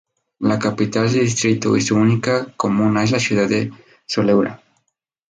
La capital del distrito y su única comuna es la ciudad de Soleura.